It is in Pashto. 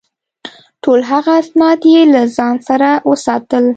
ټول هغه اسناد یې له ځان سره وساتل.